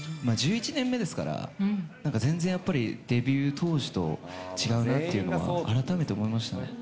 １１年目ですから、なんか全然やっぱり、デビュー当時と違うなっていうのは改めて思いましたね。